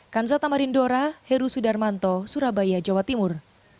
kanza tamarindora heru sudarmanto surabaya jawa timur